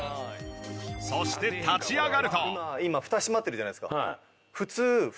そして立ち上がると。